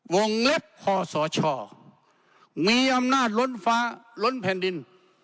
วงเล็บคอสชมีอำนาจล้นฟ้าล้นแผ่นดิน